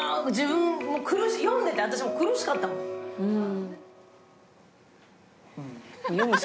読んでて私も苦しかったもん。